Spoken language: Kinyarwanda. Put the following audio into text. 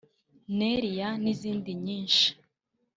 Nerea n’izindi nyinshi